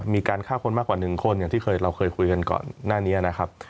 มีการฆ่าคนมากกว่า๑คนอย่างที่เราเคยคุยกันก่อนหน้านี้นะครับ